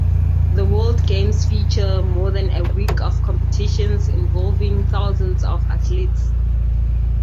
The World Games feature more than a week of competitions involving thousands of athletes.